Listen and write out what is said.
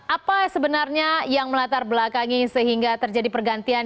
apa sebenarnya yang melatar belakangi sehingga terjadi pergantian